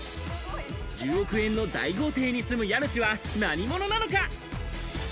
１０億円の大豪邸に住む家主は何者なのか。